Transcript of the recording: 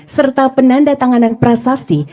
serta penanda tanganan prasasti